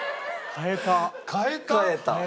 変えた。